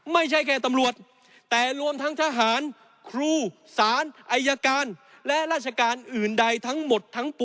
ไม่ใช่แค่ตำรวจแต่รวมทั้งทหารครูสารอายการและราชการอื่นใดทั้งหมดทั้งป